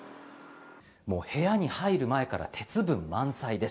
もう部屋に入る前から鉄分満載です。